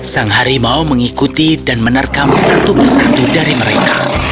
sang harimau mengikuti dan menerkam satu persatu dari mereka